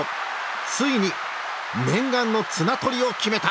ついに念願の綱取りを決めた。